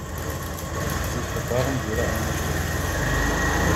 Dieses Verfahren wurde eingestellt.